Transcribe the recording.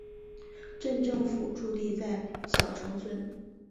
镇政府驻地在筱埕村。